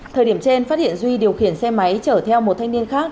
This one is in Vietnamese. thời điểm trên phát hiện duy điều khiển xe máy chở theo một thanh niên khác